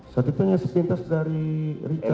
saat itu hanya sepintas dari richard